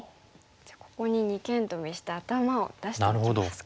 じゃあここに二間トビして頭を出していきますか。